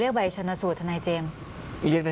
อ๋อภูมิขับขาฝากด้วยนะคะ